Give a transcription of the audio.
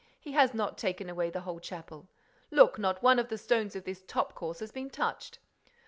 He has not taken away the whole chapel. Look, not one of the stones of this top course has been touched."